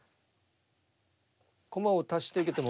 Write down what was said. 駒を足して受けても。